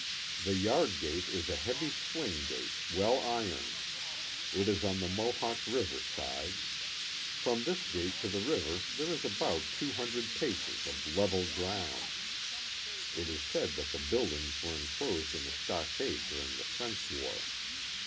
The yard gate is a heavy swing gate well ironed ; it is on the Mohawk River side; from this gate to the river there is about two hundred paces of level ground. (It is said that the buildings were enclosed in a stockade during the French war.)